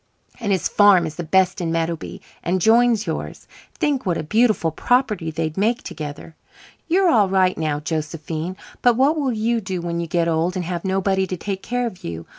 And his farm is the best in Meadowby and joins yours. Think what a beautiful property they'd make together. You're all right now, Josephine, but what will you do when you get old and have nobody to take care of you?